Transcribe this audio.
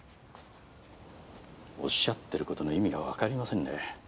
おっしゃってることの意味がわかりませんね。